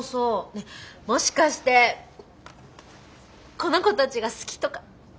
ねえもしかしてこの子たちが好きとか？